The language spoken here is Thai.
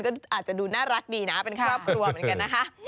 ก็อาจจะดูน่ารักดีนะเป็นครอบครัวเหมือนกันนะคะ